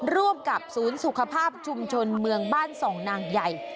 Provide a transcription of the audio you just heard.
ร่วมกับศูนย์สุขภาพชุมชนเมืองบ้านส่องนางใหญ่